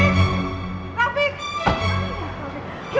ke rumah sakit